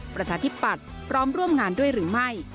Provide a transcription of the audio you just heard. ประชาธิปัตย์พร้อมร่วมงานด้วยหรือไม่